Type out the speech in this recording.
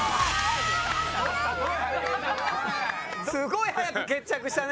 すごい早く決着したね。